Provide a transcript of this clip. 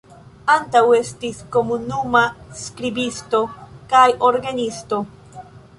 Ankaŭ estis komunuma skribisto kaj orgenisto.